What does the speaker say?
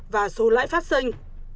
và số lãi phát sinh